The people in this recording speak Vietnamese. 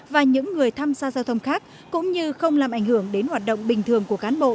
và những người tham gia giao thông khác cũng như không làm ảnh hưởng đến hoạt động bình thường của cán bộ